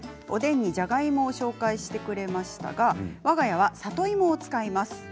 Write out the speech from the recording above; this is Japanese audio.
おでんに、じゃがいもを紹介してくれましたがわが家は里芋を使います。